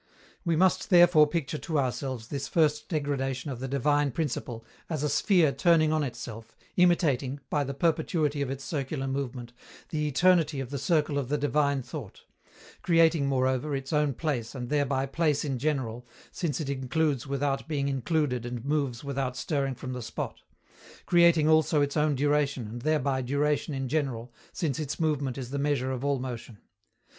We must therefore picture to ourselves this first degradation of the divine principle as a sphere turning on itself, imitating, by the perpetuity of its circular movement, the eternity of the circle of the divine thought; creating, moreover, its own place, and thereby place in general, since it includes without being included and moves without stirring from the spot; creating also its own duration, and thereby duration in general, since its movement is the measure of all motion.